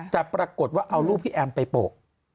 แต่ปรากฏว่าเอารูปพี่แอมไปโปะ